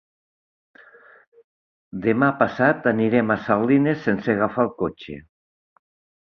Demà passat anirem a Salines sense agafar el cotxe.